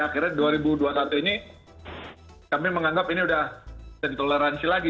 akhirnya dua ribu dua puluh satu ini kami menganggap ini sudah ditoleransi lagi